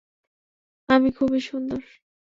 আমি খুবই সুন্দর।